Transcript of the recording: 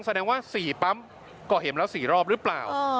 แสดงว่า๔ปั๊มก่อเหตุแล้ว๔รอบหรือเปล่า